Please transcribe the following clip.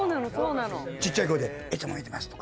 ちっちゃい声で「いつも見てます」とか。